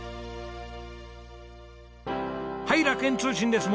はい楽園通信です。